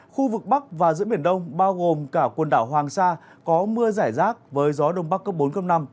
khu vực bắc và giữa biển đông bao gồm cả quần đảo hoàng sa có mưa rải rác với gió đông bắc cấp bốn năm